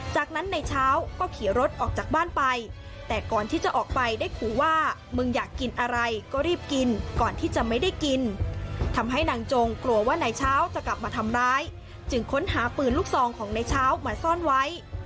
จากนั้นในเช้าก็ขี่รถออกจากบ้านไปแต่ก่อนที่จะออกไปได้ขู่ว่ามึงอยากกินอะไรก็รีบกินก่อนที่จะไม่ได้กินทำให้นางจงกลัวว่านายเช้าจะกลับมาทำร้ายจึงค้นหาปืนลูกซองของในเช้ามาซ่อนไว้